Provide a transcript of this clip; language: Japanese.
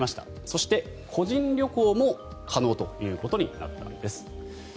そして、個人旅行も可能ということになったんです。